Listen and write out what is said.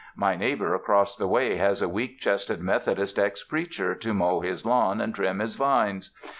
My neighbor across the way has a weak chested Methodist ex preacher to mow his lawn and trim his vines.